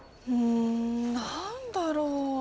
ん何だろう？